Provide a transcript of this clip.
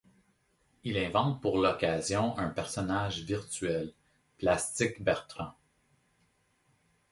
Il invente pour l'occasion un personnage virtuel, Plastic Bertrand.